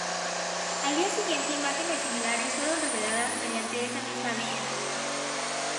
Al día siguiente imágenes similares fueron reveladas mediante esa misma vía.